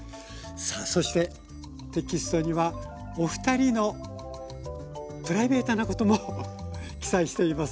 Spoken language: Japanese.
そしてテキストにはお二人のプライベートなことも記載しています。